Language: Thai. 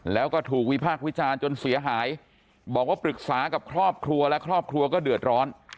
แล้วก็ถูกวิพากษ์วิจารณ์จนเสียหายบอกว่าปรึกษากับครอบครัวและครอบครัวก็เดือดร้อน